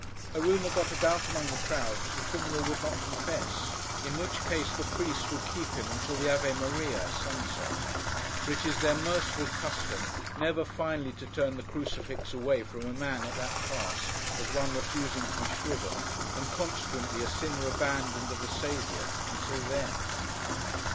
A rumour got about, among the crowd, that the criminal would not confess; in which case, the priests would keep him until the Ave Maria (sunset); for it is their merciful custom never finally to turn the crucifix away from a man at that pass, as one refusing to be shriven, and consequently a sinner abandoned of the Saviour, until then.